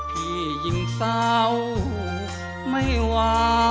ที่ยิ่งเศร้า